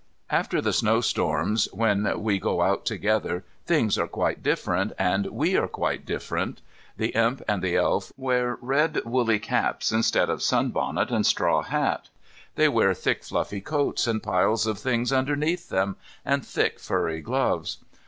After the snowstorms, when we go out together, things are quite different, and we are quite different. The Imp and the Elf wear red woolly caps instead of sunbonnet and straw hat. They wear thick, fluffy coats and piles of things underneath them, and thick furry gloves.